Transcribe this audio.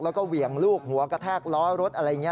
แล้วก็เหวี่ยงลูกหัวกระแทกล้อรถอะไรอย่างนี้